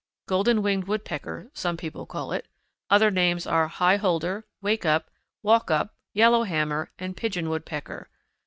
Golden winged Woodpecker some people call it. Other names are High holder, Wake up, Walk up, Yellowhammer, and Pigeon Woodpecker.